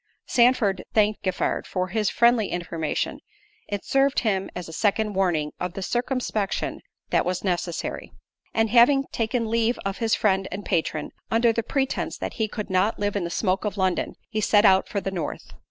Sandford thanked Giffard for his friendly information. It served him as a second warning of the circumspection that was necessary; and having taken leave of his friend and patron, under the pretence that "He could not live in the smoke of London," he set out for the North.